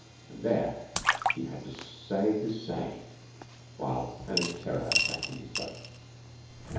And there he had to say his say, while panic terror sat in his throat.